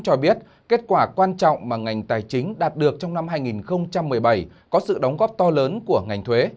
cho biết kết quả quan trọng mà ngành tài chính đạt được trong năm hai nghìn một mươi bảy có sự đóng góp to lớn của ngành thuế